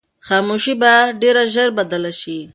خاموشي به ډېر ژر بدله شي.